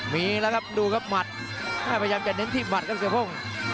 มีแล้วครับดูครับหมัดพยายามจะเน้นที่หมัดครับเสือโพง